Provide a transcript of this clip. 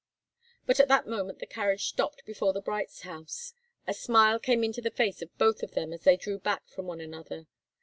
But at that moment the carriage stopped before the Brights' house. A smile came into the face of both of them as they drew back from one another.